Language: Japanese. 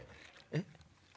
えっ？